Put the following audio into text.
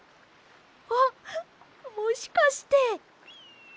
あっもしかして！